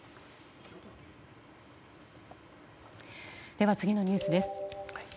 では、次のニュースです。